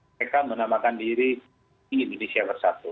mereka menamakan diri indonesia bersatu